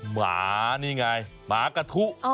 หมานี่ไงหมากะทุ